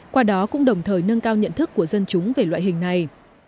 qua đó cũng đồng thời nâng cao nhận thức của dân chúng về loại hình này